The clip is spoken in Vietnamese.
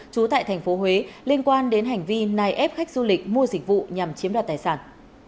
trú tại thành phố huế liên quan đến hành vi nài ép khách du lịch mua dịch vụ nhằm chiếm đoạt tài sản